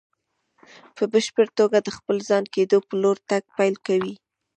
په بشپړ توګه د خپل ځان کېدو په لور تګ پيل کوي.